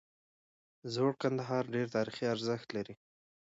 زوړ کندهار ډیر تاریخي ارزښت لري